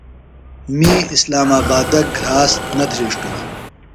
می اسلام آبادہ گھراست نہ دھرِیݜٹوۡ۔